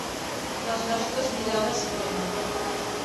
Les nostres mirades cremen.